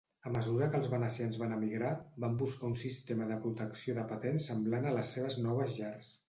A mesura que els venecians van emigrar, van buscar un sistema de protecció de patents semblant a les seves noves llars.